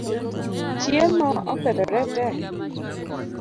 Chiemo okethoree tee